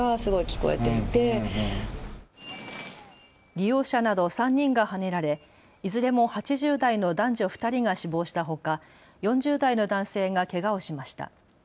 利用者など３人がはねられいずれも８０代の男女２人が死亡したほか４０代の男性がけがをしました。